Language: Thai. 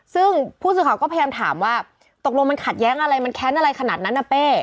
ซึ่งผู้สื่อข่าวก็พยายามถามว่าตกลงมันขัดแย้งอะไรมันแค้นอะไรขนาดนั้นนะเป้